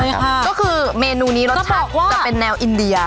ก็คือเมนูนี้รสชัดจะเป็นแนวอินเดีย